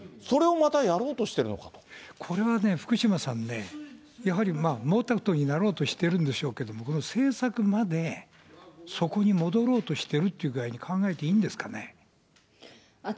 それをまたやろうとしているのかこれはね、福島さんね、やはり毛沢東になろうとしてるんでしょうけれども、この政策までそこに戻ろうとしてるって具合に考えていいんですか